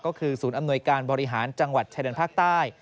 ก็คือศูนย์อำนวยการบริหารจังหวัดชายแดนภาคใต้